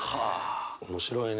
面白いね。